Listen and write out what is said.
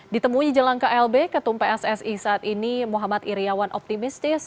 ditemui jelang klb ketum pssi saat ini muhammad iryawan optimistis